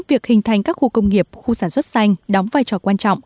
việc hình thành các khu công nghiệp khu sản xuất xanh đóng vai trò quan trọng